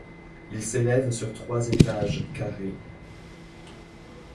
Il s'élève sur trois étages carrés.